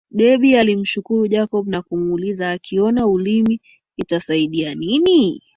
Debby alimshukuru Jacob na kumuuliza akiona ulimi itasaidia nini